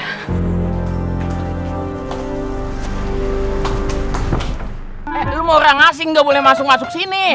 eh dulu mau orang asing nggak boleh masuk masuk sini